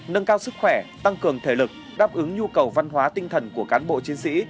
nâng cao sức khỏe tăng cường thể lực đáp ứng nhu cầu văn hóa tinh thần của cán bộ chiến sĩ